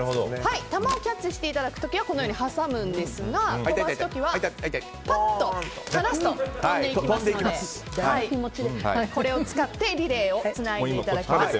球をキャッチしていただく時にはこのように挟んでいただきますが飛ばす時はパッと離すと飛んでいきますのでこれを使ってリレーをつないでいただきます。